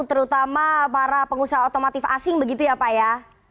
terutama para pengusaha otomotif asing begitu ya pak ya